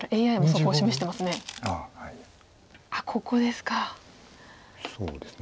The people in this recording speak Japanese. ここですか。